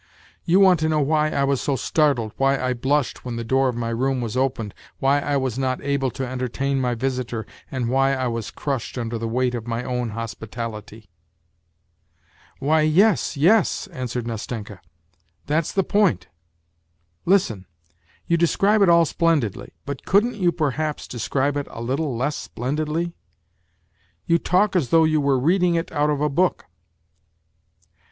You want to know why I was so startled, why I blushed when the door of my room was opened, why I was not able to entertain my visitor, and why I was crushed under the Aveight of my own hospitality ?"" Why, yes, yes," answered Nastenka, " that's the point. Listen. You describe it all splendidly, but couldn't you perhaps describe it a little less splendidly ? You talk as though you were reading it out of a book."